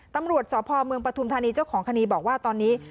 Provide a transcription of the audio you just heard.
ตำรวจสพเมืองปฐุมธานีเจ้าของคดีบอกว่าตอนนี้